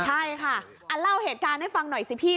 ใช่ค่ะเล่าเหตุการณ์ให้ฟังหน่อยสิพี่